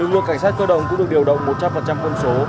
cảnh sát cơ động cũng được điều động một trăm linh cân số